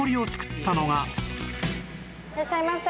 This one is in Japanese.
いらっしゃいませ。